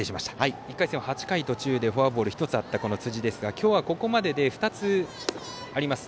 １回戦は８回途中でフォアボール１つあった辻ですが今日はここまでで２つあります。